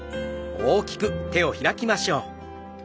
大きく手を開きましょう。